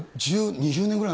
２０年ぐらいに。